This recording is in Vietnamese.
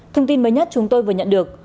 thông tin mới nhất chúng tôi vừa nhận được